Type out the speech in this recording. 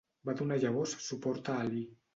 Va donar llavors suport a Alí.